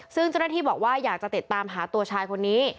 ซึ่งเจ้าหน้าที่บอกว่าอยากจะติดตามหาตัวชายคนนี้